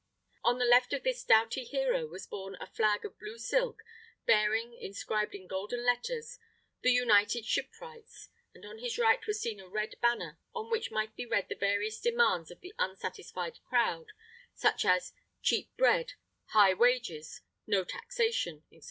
On the left of this doughty hero was borne a flag of blue silk, bearing, inscribed in golden letters, The United Shipwrights; and on his right was seen a red banner, on which might be read the various demands of the unsatisfied crowd, such as, "Cheap Bread," "High Wages," "No Taxation," &c.